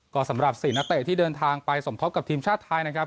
ก็สำหรับ๔นักเตะที่เดินทางไปสมทบกับทีมชาติไทยนะครับ